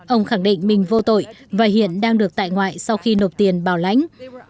ông khẳng định mình vô tội và hiện đang được tại ngoại sau khi nộp tiền bảo lãnh